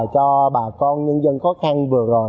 cho bà con nhân dân khó khăn vừa rồi